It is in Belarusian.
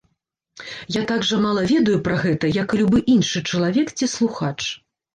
Я так жа мала ведаю пра гэта, як і любы іншы чалавек ці слухач.